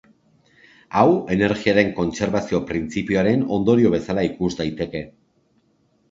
Hau energiaren kontserbazio printzipioaren ondorio bezala ikus daiteke.